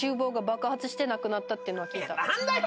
何だよ？